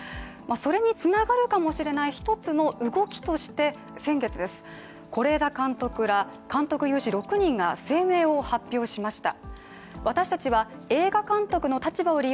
それにつながるかもしれない一つの動きとして先月、是枝監督ら、監督有志６人が声明を発表しました。